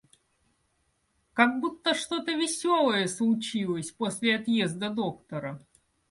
Как будто что-то веселое случилось после отъезда доктора.